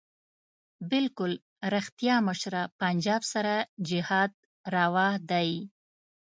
بلکل ريښتيا مشره پنجاب سره جهاد رواح دی